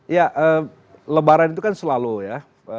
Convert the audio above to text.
ya lebaran itu kan selalu ya